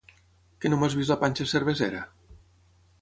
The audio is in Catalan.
Que no m'has vist la panxa cervesera?